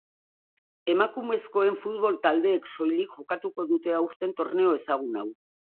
Emakumezkoen futbol taldeek soilik jokatuko dute aurten torneo ezagun hau.